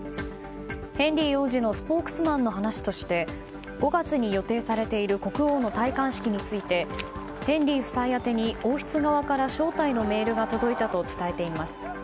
ヘンリー王子のスポークスマンの話として５月に予定されている国王の戴冠式についてヘンリー夫妻宛てに王室側から招待のメールが届いたと伝えています。